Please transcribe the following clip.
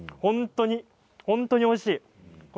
本当においしい。